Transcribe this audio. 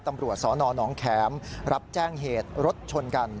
ตำรวจสนหนองแขมรับแจ้งเหตุรถชนกัน